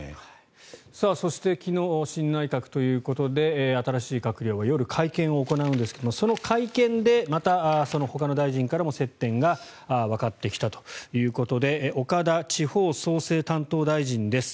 そして、昨日新内閣ということで新しい閣僚が夜、会見を行うんですがその会見でまたほかの大臣からも接点がわかってきたということで岡田地方創生担当大臣です。